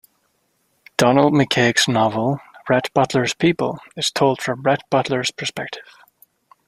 Donald McCaig's novel "Rhett Butler's People" is told from Rhett Butler's perspective.